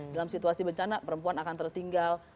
dalam situasi bencana perempuan akan tertinggal